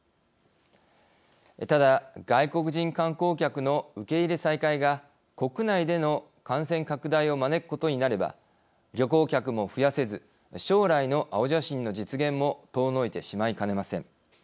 ただ、外国人観光客の受け入れ再開が国内での感染拡大を招くことになれば旅行客も増やせず将来の青写真の実現も遠のいてしまいかねません。